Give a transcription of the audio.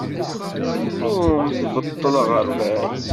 Tennum tbeṭṭel aɣerbaz.